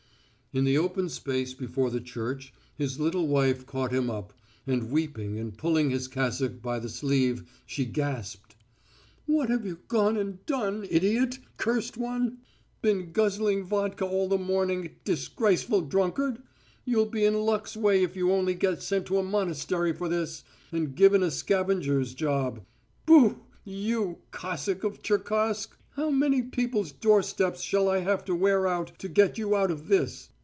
In the open space before the church his little wife caught him up, and weeping and pulling his cassock by the sleeve, she gasped: "What have you gone and done, idiot, cursed one! Been guzzling vodka all the morning, disgraceful drunkard! You'll be in luck's way if you only get sent to a monastery for this, and given a scavenger's job. Booh! You, Cossack of Cherkask! How many people's doorsteps shall I have to wear out to get you out of this?